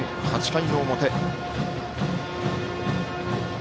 ８回の表。